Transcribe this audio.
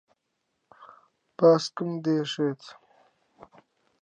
باسکم دێشێت.